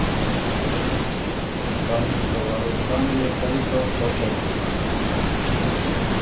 کانی ته وارث يې خوئ ګۀ خوشه بُک،